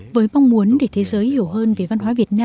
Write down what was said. với mong muốn để thế giới hiểu hơn về văn hóa việt nam